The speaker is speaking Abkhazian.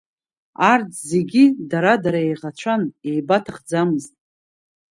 Арҭ зегьы, дара-дарагьы иеиӷацәан, иеибаҭахӡамызт.